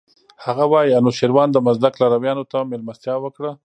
هغه وايي انوشیروان د مزدک لارویانو ته مېلمستیا وکړه.